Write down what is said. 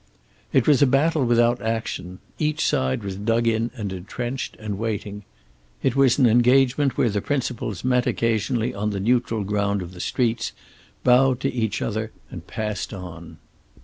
It was a battle without action. Each side was dug in and entrenched, and waiting. It was an engagement where the principals met occasionally the neutral ground of the streets, bowed to each other and passed on.